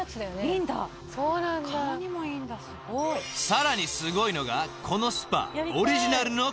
［さらにすごいのがこの］